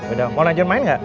udah mau lanjut main nggak